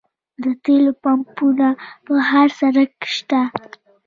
د تیلو پمپونه په هر سړک شته